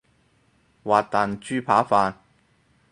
滑蛋豬扒飯